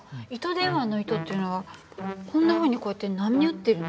電話の糸っていうのはこんなふうにこうやって波打ってるの？